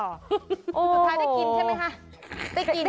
สุดท้ายได้กินใช่ไหมคะ